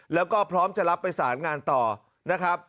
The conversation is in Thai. แล้วก็พร้อมจะรับไปสารงานต่อนะครับ